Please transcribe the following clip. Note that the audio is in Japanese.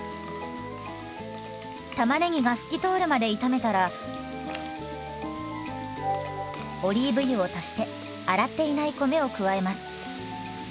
たまねぎが透き通るまで炒めたらオリーブ油を足して洗っていない米を加えます。